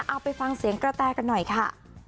เอาไปฟังเสียงกระแตกันหน่อยค่ะ